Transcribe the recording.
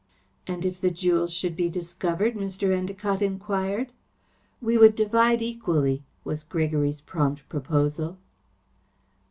"And if the jewels should be discovered?" Mr. Endacott enquired. "We would divide equally," was Gregory's prompt proposal.